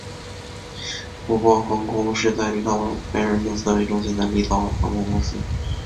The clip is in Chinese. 琥珀航空是在立陶宛维尔纽斯为中心的立陶宛航空公司。